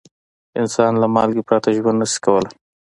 انسان له مالګې پرته ژوند نه شي کولای.